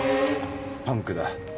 パンクだ。